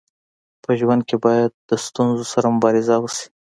په ژوند کي باید د ستونزو سره مبارزه وسي.